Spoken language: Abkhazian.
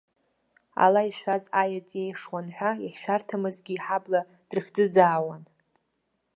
Ала ишәаз аеҵә иеишуан ҳәа, иахьшәарҭамызгьы иҳабла дрыхӡыӡаауан.